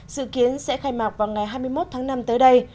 dự kiến sẽ khai mạc vào ngày hai mươi một tháng năm tới đây